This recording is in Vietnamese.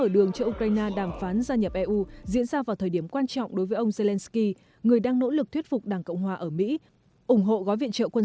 đồng chí joe biden đã thúc giục các nhà lập pháp thông qua gói viện trợ bổ sung